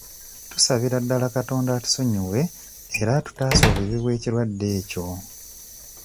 Tusabira ddala Katonda atusonyiwe era atutaase obubi bw'ekirwadde ekyo.